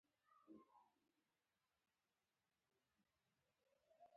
د پولیس لپاره قانون اړین دی